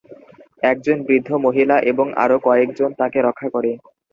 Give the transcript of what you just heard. একজন বৃদ্ধ মহিলা এবং আরো কয়েক জন তাকে রক্ষা করে।